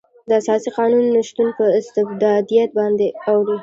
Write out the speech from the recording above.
د اساسي قانون نشتون په استبدادیت باندې اوړي.